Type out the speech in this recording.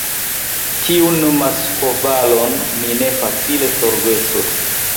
tiun maskobalon mi ne facile forgesos!